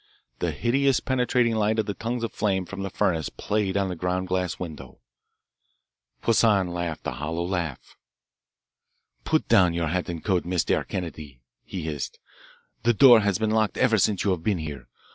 The hideous penetrating light of the tongues of flame from the furnace played on the ground glass window. Poissan laughed a hollow laugh. "Put down your hat and coat, Mistair Kennedy," he hissed. "The door has been locked ever since you have been here.